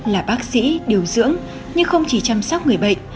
là bác sĩ điều dưỡng nhưng không chỉ chăm sóc người bệnh